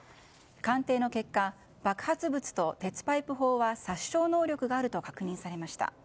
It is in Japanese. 鑑定の結果爆発物と鉄パイプ砲は殺傷能力があると確認されました。